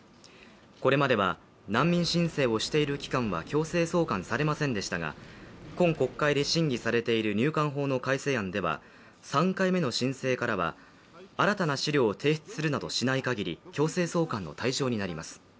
これまでは、難民申請をしている期間は強制送還されませんでしたが今国会で審議されている入管法の改正案では３回目の申請からは新たな資料を提出しないかぎり強制送還の対象になります。